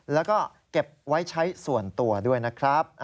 แล้วก็เก็บไว้ใช้ส่วนตัวด้วยนะครับ